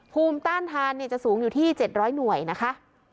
ภูมิต้านทานจะสูงอยู่ที่๗๐๐หน่วยนะคะ